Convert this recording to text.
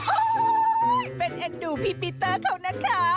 โอ้โหเป็นเอ็นดูพี่ปีเตอร์เขานะคะ